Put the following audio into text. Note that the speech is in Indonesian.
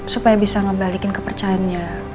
supaya bisa ngebalikin kepercayaannya